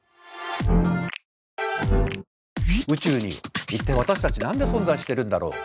宇宙に一体私たち何で存在してるんだろう。